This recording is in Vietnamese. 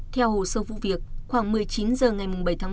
theo hồ sơ vụ việc khoảng một mươi chín h ngày bảy tháng ba